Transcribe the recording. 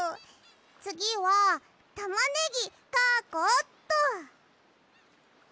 つぎはたまねぎかこうっと。